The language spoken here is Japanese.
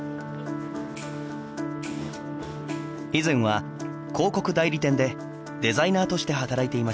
以前は広告代理店でデザイナーとして働いていました。